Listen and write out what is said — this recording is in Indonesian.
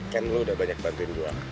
kan lo udah banyak bantuin gue